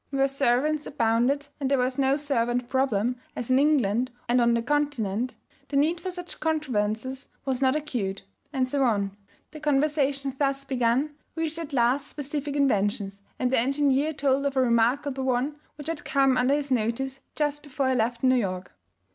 Where servants abounded and there was no servant problem, as in England and on the Continent, the need for such contrivances was not acute. And so on. The conversation thus begun reached at last specific inventions, and the engineer told of a remarkable one which had come under his notice just before he left New York.